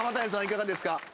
いかがですか？